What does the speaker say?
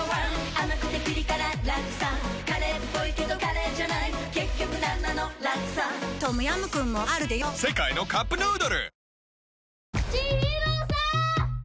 甘くてピリ辛ラクサカレーっぽいけどカレーじゃない結局なんなのラクサトムヤムクンもあるでヨ世界のカップヌードル